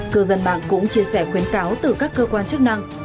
cư dân mạng cũng chia sẻ khuyến cáo từ các cơ quan chức năng